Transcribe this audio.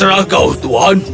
terserah kau tuan